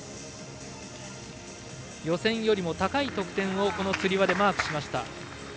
予選よりも高い得点をこのつり輪でマークしました。